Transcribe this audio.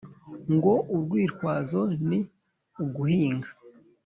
Ngo urwitwazo ni uguhinga,